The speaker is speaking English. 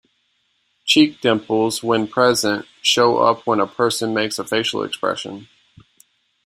Cheek dimples when present, show up when a person makes a facial expression.